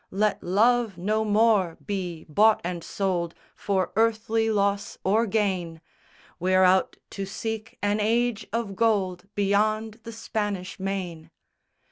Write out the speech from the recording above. Let love no more be bought and sold For earthly loss or gain. We're out to seek an Age of Gold Beyond the Spanish Main.